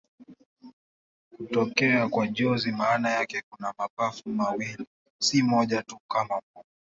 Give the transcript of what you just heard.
Hutokea kwa jozi maana yake kuna mapafu mawili, si moja tu kama moyo.